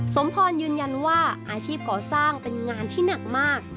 สมพรยืนยันว่าอาชีพก่อสร้างเป็นงานที่หนักมาก